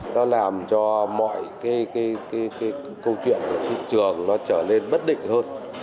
nó làm cho mọi câu chuyện của thị trường trở nên bất định hơn